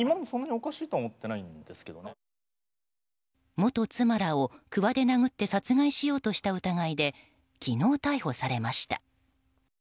元妻らを、くわで殴って殺害しようとした疑いで昨日逮捕されました。